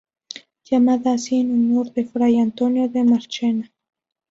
Llamada así en honor de fray Antonio de Marchena.